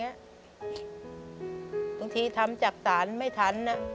บางทีทำจักษานไม่ทัน